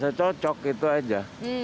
merasa cocok itu aja